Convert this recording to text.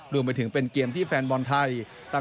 รวมไปถึงเป็นเกมที่แฟนบอลไทย